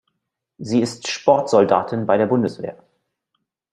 Sie ist Sportsoldatin bei der Bundeswehr.